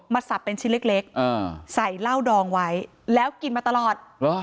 สับเป็นชิ้นเล็กใส่เหล้าดองไว้แล้วกินมาตลอด